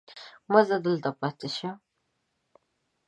مه ځه دلته پاتې شه.